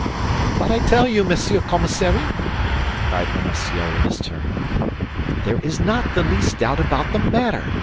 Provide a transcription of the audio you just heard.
"But I tell you, Monsieur Commissary," cried Bonacieux, in his turn, "there is not the least doubt about the matter.